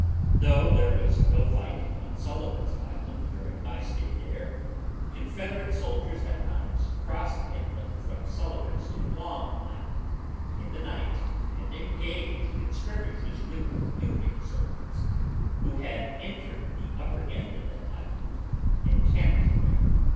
Though there was no fighting on Sullivan's Island during my stay there, Confederate soldiers at times crossed the inlet from Sullivan's to Long Island, in the night and engaged in skirmishes with Union soldiers, who had entered the upper end of that island and camped there.